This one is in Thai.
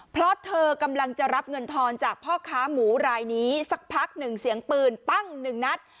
เพราะเธอกำลังจะรับเงินทอนจากพ่อค้าหมูรายนี้สักพักหนึ่งเสียงปืนปั้งหนึ่งนัด